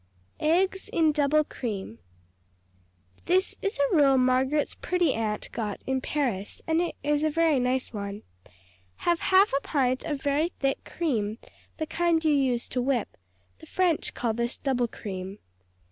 Eggs in Double Cream This is a rule Margaret's Pretty Aunt got in Paris, and it is a very nice one. Have half a pint of very thick cream the kind you use to whip; the French call this double cream.